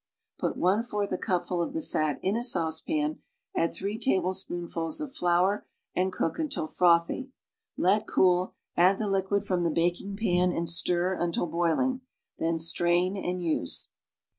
Put one fourth a cupful of the fut in a saucepan; add three tablespoon fuls of flour and cook until frothy; let cool, add the liquid from the baking pan and stir until boiling, then strain and use.